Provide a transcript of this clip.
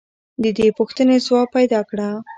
د دې پوښتنې ځواب پیدا کړه.